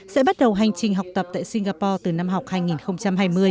sẽ bắt đầu hành trình học tập tại singapore từ năm học hai nghìn hai mươi